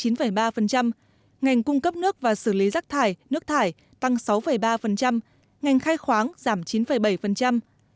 ngành cung cấp nước và xử lý rác thải nước thải tăng sáu ba ngành khai khoáng giảm chín bảy